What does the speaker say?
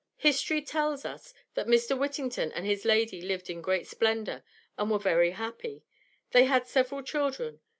History tells us that Mr. Whittington and his lady lived in great splendor, and were very happy. They had several children.